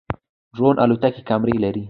ډرون الوتکې کمرې لري